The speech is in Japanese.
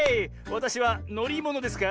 わたしはのりものですか？